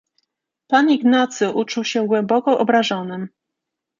"Pan Ignacy uczuł się głęboko obrażonym."